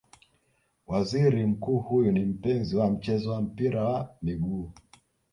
Waziri Mkuu huyu ni mpenzi wa mchezo wa mpira wa miguu